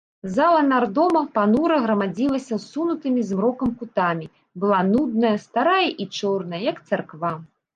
Зала нардома панура грамаздзілася ссунутымі змрокам кутамі, была нудная, старая і чорная, як царква.